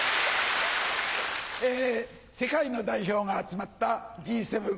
世界の代表が集まったＧ７。